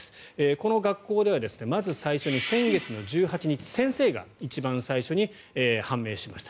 この学校ではまず最初に先月の１８日先生が一番最初に判明しました。